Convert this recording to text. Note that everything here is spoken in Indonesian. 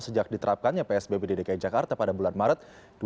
sejak diterapkannya psbb di dki jakarta pada bulan maret dua ribu dua puluh